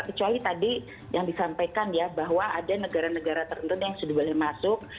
kecuali tadi yang disampaikan ya bahwa ada negara negara tertentu yang sudah boleh masuk